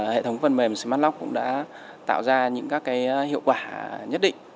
hệ thống phần mềm smartlock cũng đã tạo ra những các hiệu quả nhất định